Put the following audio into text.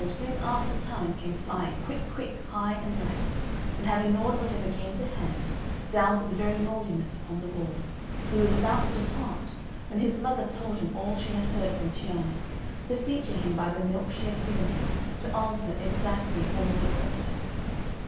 soon after Time came flying quick, quick, high and light, and having gnawed whatever came to hand, down to the very mouldiness upon the walls, he was about to depart, when his mother told him all she had heard from Cianna, beseeching him by the milk she had given him to answer exactly all her questions.